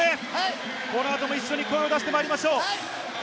この後も一緒に声を出してまいりましょう。